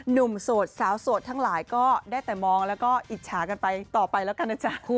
โสดสาวโสดทั้งหลายก็ได้แต่มองแล้วก็อิจฉากันไปต่อไปแล้วกันนะจ๊ะ